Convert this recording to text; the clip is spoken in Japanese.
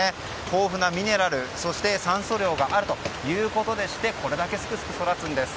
豊富なミネラルそして酸素量があるということでこれだけすくすく育つんです。